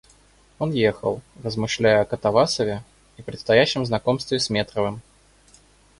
Он ехал, размышляя о Катавасове и предстоящем знакомстве с Метровым.